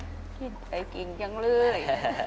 ชื่นใจกินจังเลย